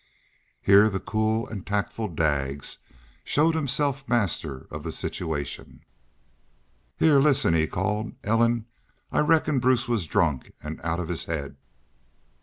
Here the cool and tactful Daggs showed himself master of the situation. "Heah, listen!" he called. "Ellen, I reckon Bruce was drunk an' out of his haid.